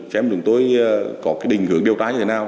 chém chúng tôi có cái định hưởng điều tra như thế nào